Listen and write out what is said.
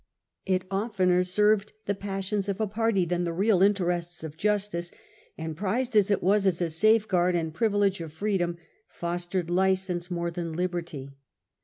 It oftener served the passions of a party than the real interests of justice ; and, prized as it was as a safeguard and privilege of freedom, fostered license more than liberty.